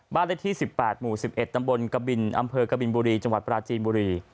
เลขที่๑๘หมู่๑๑ตำบลกบินอำเภอกบินบุรีจังหวัดปราจีนบุรี